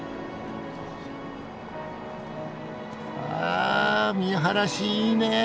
あ見晴らしいいねえ。